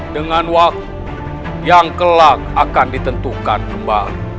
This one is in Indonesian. dengan waktu yang kelak akan ditentukan kembali